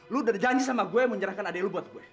lo udah janji sama gue yang menyerahkan adik lu buat gue